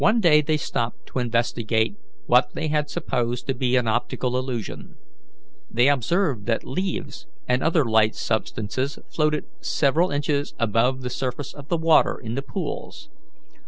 One day they stopped to investigate what they had supposed to be an optical illusion. They observed that leaves and other light substances floated several inches above the surface of the water in the pools.